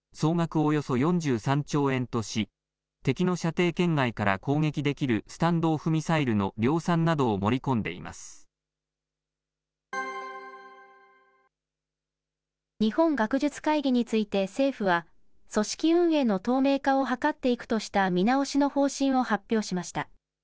およそ４３兆円とし、敵の射程圏外から攻撃できるスタンド・オフ・ミサイルの量産など日本学術会議について政府は、組織運営の透明化を図っていくとした見直しの方針を発表しました。